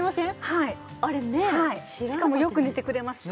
はいしかもよく寝てくれます